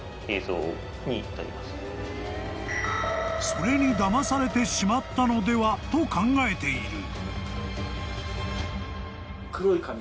［それにだまされてしまったのではと考えている］